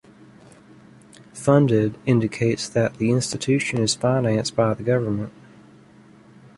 Funded indicates that the institution is financed by the government.